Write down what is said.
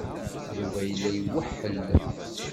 Yuba yella iweḥḥel.